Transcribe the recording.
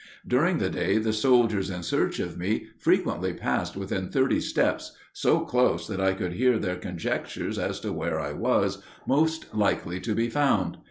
During the day the soldiers in search of me frequently passed within thirty steps, so close that I could hear their conjectures as to where I was most likely to be found.